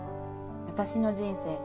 私の人生